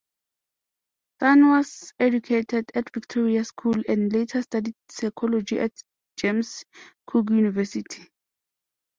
Tan was educated at Victoria School and later studied psychology at James Cook University.